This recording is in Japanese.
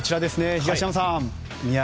東山さん。